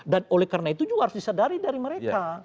dan oleh karena itu juga harus disadari dari mereka